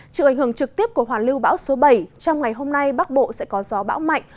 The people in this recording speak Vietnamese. chịu ảnh hưởng trực tiếp của hoàn lưu bão số bảy trong ngày hôm nay bắc bộ sẽ có gió bão mạnh